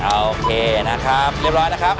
โอเคนะครับเรียบร้อยนะครับ